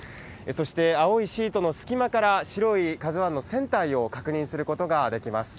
そして、青いシートの隙間から、白いＫＡＺＵＩの船体を確認することができます。